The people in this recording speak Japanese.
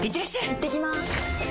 いってきます！